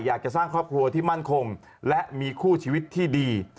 อยากจะสร้างครอบครัวที่มั่นคงและมีคู่ชีวิตที่ดี